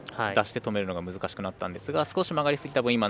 出して止めるのが難しくなったんですが少し曲がりすぎた分